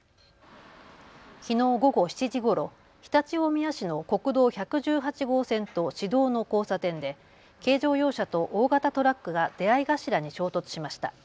きのう午後７時ごろ常陸大宮市の国道１１８号線と市道の交差点で軽乗用車と大型トラックが出会い頭に衝突しました。